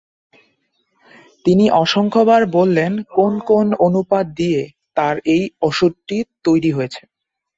তিনি অসংখ্যবার বললেন কোন কোন অনুপান দিয়ে তাঁর এই অষুধটি তৈরি হয়েছে।